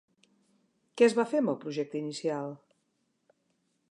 Què es va fer amb el projecte inicial?